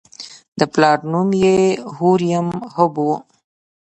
د پلار نوم یې هوریم هب و.